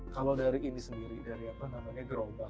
kalau dari ini sendiri dari apa namanya gerobak